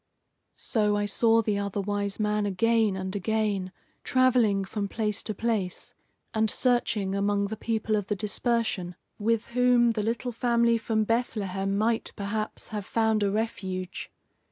So I saw the Other Wise Man again and again, travelling from place to place, and searching among the people of the dispersion, with whom the little family from Bethlehem might, perhaps, have found a refuge.